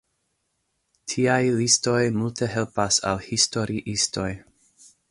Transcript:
Tiaj listoj multe helpas al historiistoj.